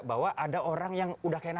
bahwa ada orang yang sudah kena phk